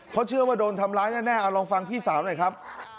เพราะเชื่อว่าโดนทำร้ายแน่เอาลองฟังพี่สาวหน่อยครับ